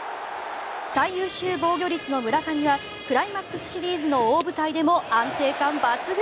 最優秀防御率の村上はクライマックスシリーズの大舞台でも安定感抜群。